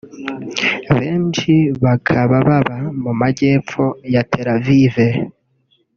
Benshi bakaba baba mu majyepfo ya Tel Aviv